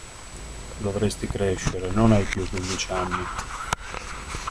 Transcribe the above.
Dovresti crescere, non hai più quindici anni!